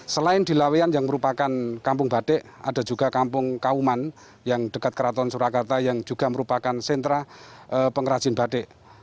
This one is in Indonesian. selain di laweyan yang merupakan kampung batik ada juga kampung kauman yang dekat keraton surakarta yang juga merupakan sentra pengrajin batik